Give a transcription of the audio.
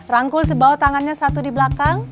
rangkul sebau tangannya satu di belakang